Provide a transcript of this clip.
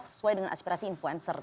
sesuai dengan aspirasi influencer